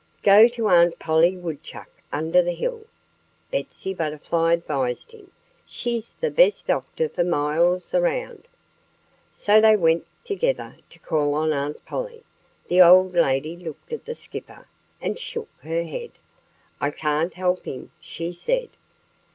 "Go to Aunt Polly Woodchuck, under the hill," Betsy Butterfly advised him. "She's the best doctor for miles around." So they went, together, to call on Aunt Polly. The old lady looked at the Skipper and shook her head. "I can't help him," she said.